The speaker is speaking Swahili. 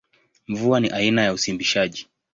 Mvua ni aina ya usimbishaji.